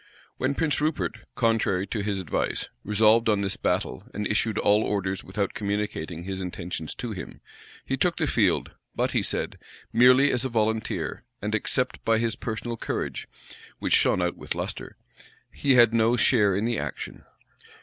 [*] When Prince Rupert, contrary to his advice, resolved on this battle, and issued all orders without communicating his intentions to him, he took the field, but, he said, merely as a volunteer; and, except by his personal courage, which shone out with lustre, he had no share in the action.